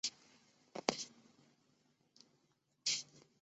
塞拉雷东达是巴西帕拉伊巴州的一个市镇。